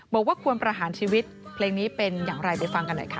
บอกว่าควรประหารชีวิตเพลงนี้เป็นอย่างไรไปฟังกันหน่อยค่ะ